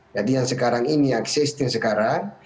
jadi yang sekarang ini yang existing sekarang